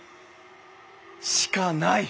しかない！